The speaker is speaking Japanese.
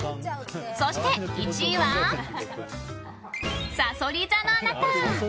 そして１位は、さそり座のあなた。